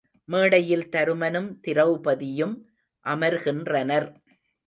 மேடையில் தருமனும் திரெளபதியும் அமர்கின்றனர்.